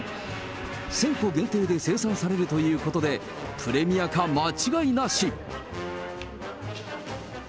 １０００個限定で生産されるということで、プレミア化間違いなし。